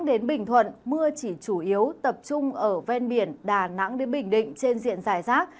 đến bình thuận mưa chỉ chủ yếu tập trung ở ven biển đà nẵng đến bình định trên diện dài rác